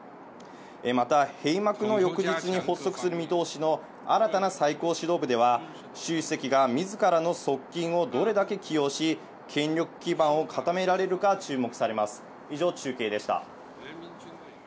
また閉幕の翌日に発足する見通しの新たな最高指導部ではシュウ主席がみずからの側近を、どれだけ起用し権力基盤を固められるか注目されます。